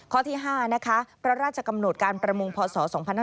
ข้อที่๕นะคะพระราชกำหนดการประมงพศ๒๕๕๙